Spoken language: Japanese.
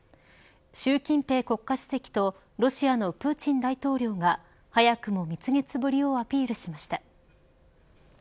習近平国家主席とロシアのプーチン大統領が早くも蜜月ぶりをアピールしました。